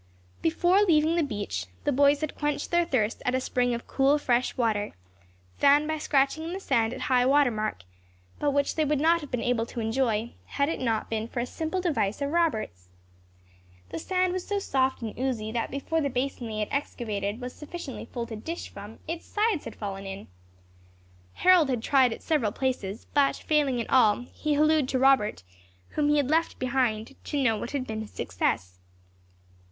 Before leaving the beach the boys had quenched their thirst at a spring of cool, fresh water, found by scratching in the sand at high water mark, but which they would not have been able to enjoy had it not been for a simple device of Robert's. The sand was so soft and oozy, that before the basin they had excavated was sufficiently full to dish from, its sides had fallen in. Harold had tried at several places, but failing in all, he hallooed to Robert, whom he had left behind, to know what had been his success.